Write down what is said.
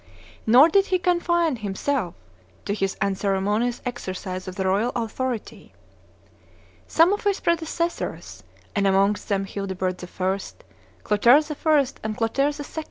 Nor did he confine himself to this unceremonious exercise of the royal authority. Some of his predecessors, and amongst them Childebert I., Clotaire I., and Clotaire II.